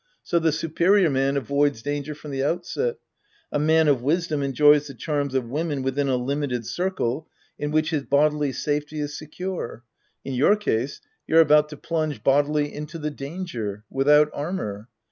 So the superior man avoids danger from the outset. A man of wisdom enjoys the charms of women within a limited circle in which his bodily safety is secure. In your case, you're about to plunge bodily into the danger. Without armor.